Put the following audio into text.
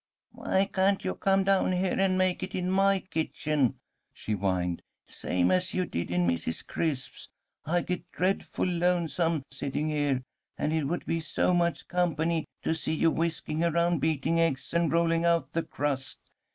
"Why can't you come down here and make it in my kitchen?" she whined, "same as you did in Mrs. Crisp's. I get dreadful lonesome setting here, and it would be so much company to see you whisking around beating eggs and rolling out the crust.